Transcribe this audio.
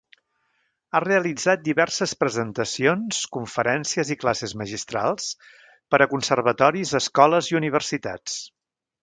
Ha realitzat diverses presentacions, conferències i classes magistrals per a conservatoris, escoles i universitats.